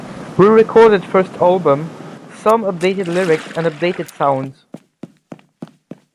Re-recorded first album, some updated lyrics and updated sound.